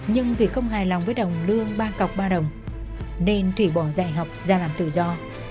nhưng vì không hài lòng với đồng lương ba cọc ba đồng nên thủy bỏ dạy học ra làm tự do